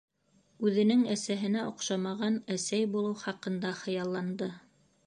Үҙенең әсәһенә оҡшамаған әсәй булыу хаҡында хыялланды.